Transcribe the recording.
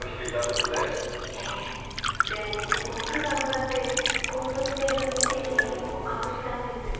でもすごく頑張って高卒程度認定試験に合格したんです。